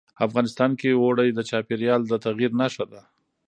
افغانستان کې اوړي د چاپېریال د تغیر نښه ده.